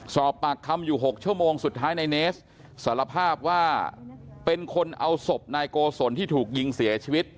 สอบปากคำอยู่๖ชั่วโมงสุดท้ายนายเนสสารภาพว่าเป็นคนเอาศพนายโกศลที่ถูกยิงเสียชีวิต